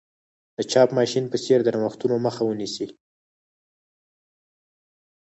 د چاپ ماشین په څېر د نوښتونو مخه ونیسي.